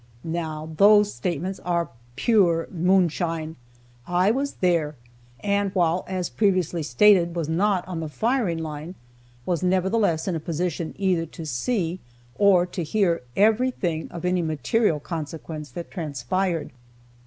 Now, those statements are pure moonshine. I was there, and while, as previously stated, not on the firing line, was nevertheless in a position either to see or hear every thing of any material consequence that transpired.